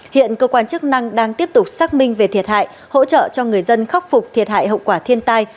hiện cơ quan chức năng đang tiếp tục xác minh về thiệt hại hỗ trợ cho người dân khắc phục thiệt hại hậu quả thiên tai